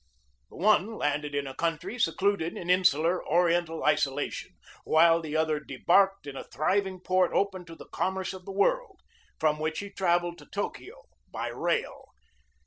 The one landed in a country secluded in insular oriental isolation, while the other debarked in a thriving port open to the commerce of the world, from which he travelled to Tokio by rail.